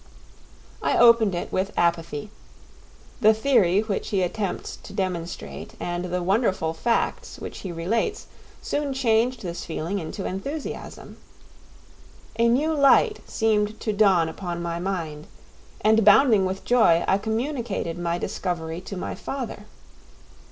I opened it with apathy; the theory which he attempts to demonstrate and the wonderful facts which he relates soon changed this feeling into enthusiasm. A new light seemed to dawn upon my mind, and bounding with joy, I communicated my discovery to my father.